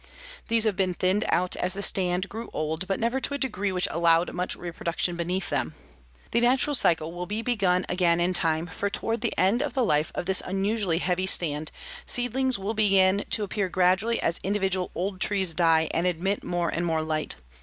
These have been thinned out as the stand grew old, but never to a degree which allowed much reproduction beneath them. The natural cycle will be begun again in time, for toward the end of the life of this unusually heavy stand, seedlings will begin to appear gradually as individual old trees die and admit more and more light.